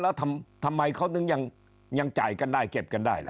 แล้วทำไมเขาถึงยังจ่ายกันได้เก็บกันได้ล่ะ